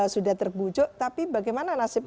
sudah terbujuk tapi bagaimana nasib